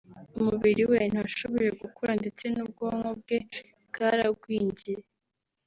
umubiri we ntiwashoboye gukura ndetse n’ubwonko bwe bwaragwingiye